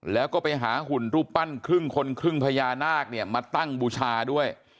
แล้วก็ไปหาหุ่นรูปปั้นครึ่งคนครึ่งพญานาคเนี่ยมาตั้งบูชาด้วย